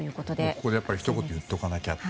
ここでひと言言っておかなきゃと。